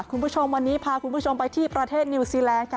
คุณผู้ชมวันนี้พาคุณผู้ชมไปที่ประเทศนิวซีแลนด์ค่ะ